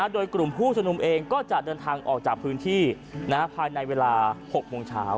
โดยกลุ่มผู้ชมนุมเองก็จะเดินทางออกจากพื้นที่ภายในเวลา๖โมงเช้า